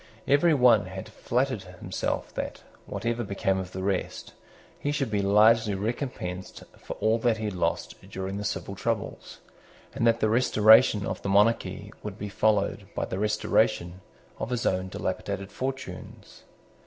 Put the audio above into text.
Every one had flattered himself that, whatever became of the rest, he should be largely recompensed for all that he had lost during the civil troubles, and that the restoration of the monarchy would be followed by the restoration of his own dilapidated fortunes.